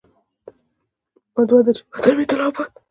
زما دعا ده چې وطن مې تل اباد